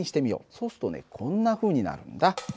そうするとねこんなふうになるんだ。